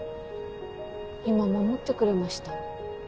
今守ってくれました？